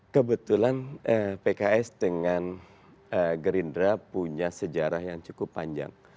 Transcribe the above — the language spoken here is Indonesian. kebetulan pks dengan gerindra punya sejarah yang cukup panjang